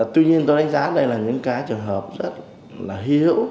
tuy nhiên tôi đánh giá đây là những cái trường hợp rất là hiểu